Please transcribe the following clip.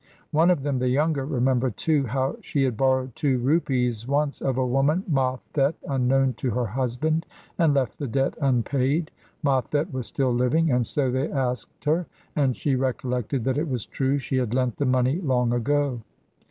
One of them, the younger, remembered, too, how she had borrowed two rupees once of a woman, Ma Thet, unknown to her husband, and left the debt unpaid. Ma Thet was still living, and so they asked her, and she recollected that it was true she had lent the money long ago.